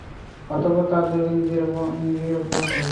অতঃপর তার দেহকে নিজে উপভোগ করেছি।